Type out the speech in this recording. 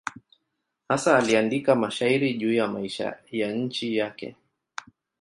Hasa aliandika mashairi juu ya maisha ya nchi yake.